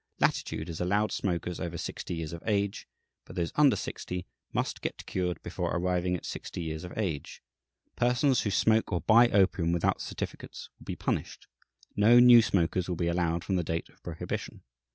Latitude is allowed smokers over sixty years of age, but those under sixty "must get cured before arriving at sixty years of age. Persons who smoke or buy opium without certificates will be punished. No new smokers will be allowed from the date of prohibition.